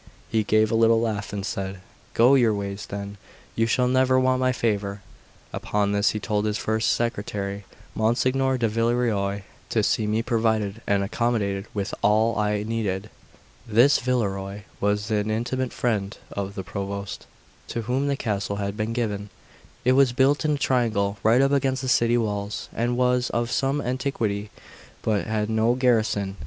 He gave a little laugh, and said: "Go your ways, then; you shall never want my favour." Upon this he told his first secretary, Monsignor di Villerois, to see me provided and accommodated with all I needed. 1 This Villerois was an intimate friend of the Provost, to whom the castle had been given. It was built in a triangle, right up against the city walls, and was of some antiquity, but had no garrison.